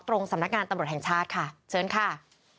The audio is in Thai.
สำนักงานตำรวจแห่งชาติค่ะเชิญค่ะ